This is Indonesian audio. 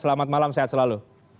selamat malam sehat selalu